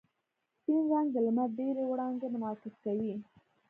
سپین رنګ د لمر ډېرې وړانګې منعکس کوي.